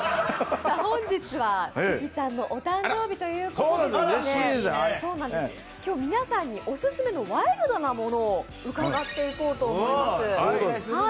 本日はスギちゃんのお誕生日ということで今日、皆さんにオススメのワイルドなものを伺っていこうと思います。